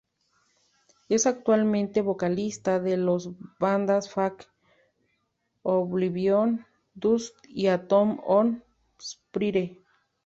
Es actualmente vocalista de las bandas Fake?, Oblivion Dust y Atom On Sphere.